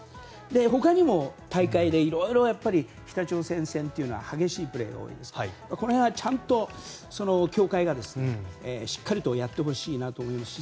他にも、大会でいろいろ北朝鮮戦というのは激しいプレーが多いですからこの辺はちゃんと協会がしっかりとやってほしいなと思うし